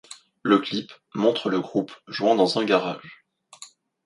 Le clip montre le groupe jouant dans un garage.